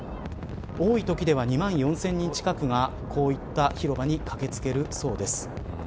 多いときでは２万４０００人近くがこういった広場に駆け付けるそうです。